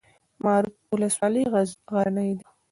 معروف ولسوالۍ غرنۍ ده؟